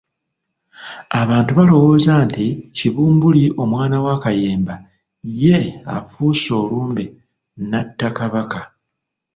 Abantu baalowooza nti Kibumbuli omwana wa Kayemba ye afuuse olumbe n'atta Kabaka.